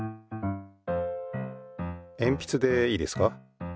えんぴつでいいですか。